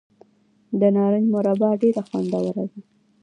د نارنج مربا ډیره خوندوره ده.